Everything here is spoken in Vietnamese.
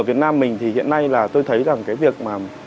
ở việt nam mình thì hiện nay là tôi thấy rằng cái việc mà